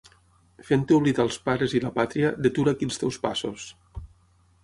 Fent-te oblidar els pares i la pàtria, detura aquí els teus passos.